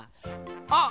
あっ！